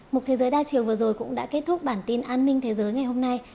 một thế giới đa chiều vừa rồi cũng đã kết thúc bản tin an ninh thế giới ngày hôm nay